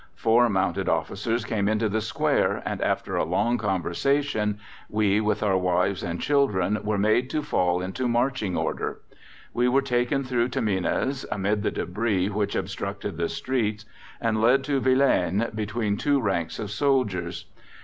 Four mounted officers came into the Square, and, after a long conversation, we with our wives and children were made to fall into marching order. We were taken through Tamines, amid the debris which obstructed the streets, and led to Vilaines between two ranks of soldiers.